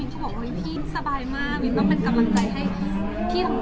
มันจะต้องมากระทบกับมิน